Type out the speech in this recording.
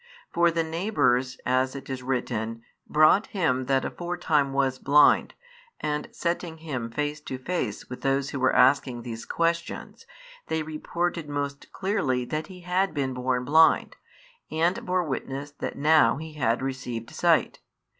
For the neighbours, as it is written, brought him that aforetime was blind, and setting him face to face with those who were asking these questions, they reported most clearly that he had been born blind, and bore witness that now he had received sight.